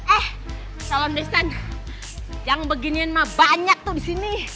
eh calon pesan jangan beginiin mah banyak tuh di sini